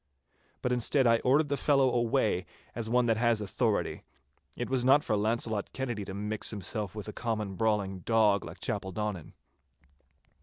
But instead I ordered the fellow away as one that has authority. It was not for Launcelot Kennedy to mix himself with a common brawling dog like Chapeldonnan.